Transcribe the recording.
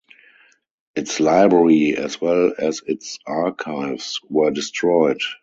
Its library as well as its archives were destroyed.